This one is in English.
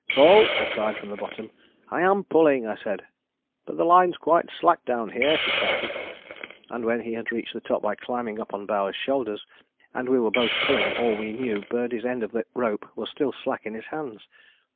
"Pull," he cried, from the bottom: "I am pulling," I said. "But the line's quite slack down here," he shouted. And when he had reached the top by climbing up on Bowers' shoulders, and we were both pulling all we knew Birdie's end of the rope was still slack in his hands.